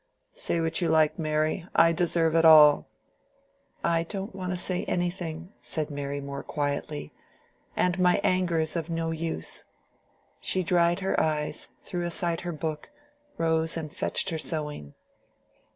"Say what you like, Mary. I deserve it all." "I don't want to say anything," said Mary, more quietly, "and my anger is of no use." She dried her eyes, threw aside her book, rose and fetched her sewing.